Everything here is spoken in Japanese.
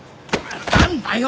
なんだよ！